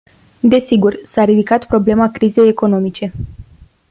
Desigur, s-a ridicat problema crizei economice.